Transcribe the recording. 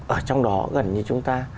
ở trong đó gần như chúng ta